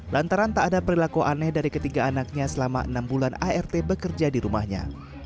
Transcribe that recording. lantaran tak ada perilaku aneh dari ketiga anaknya selama enam bulan art bekerja di rumahnya